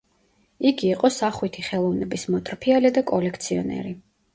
იგი იყო სახვითი ხელოვნების მოტრფიალე და კოლექციონერი.